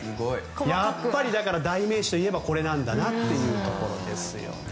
やっぱり、だから代名詞といえばこれなんだなというところですよね。